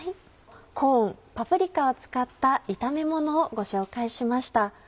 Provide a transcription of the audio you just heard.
コーンパプリカを使った炒めものをご紹介しました。